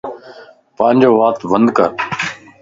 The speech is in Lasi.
پانجو وات بند ڪر